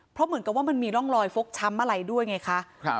เพราะเหมือนกับว่ามันมีร่องรอยฟกช้ำอะไรด้วยไงคะ